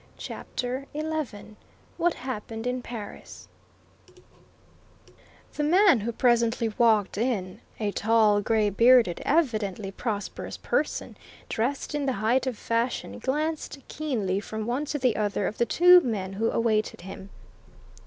CHAPTER XI WHAT HAPPENED IN PARIS The man who presently walked in, a tall, grey bearded, evidently prosperous person, dressed in the height of fashion, glanced keenly from one to the other of the two men who awaited him.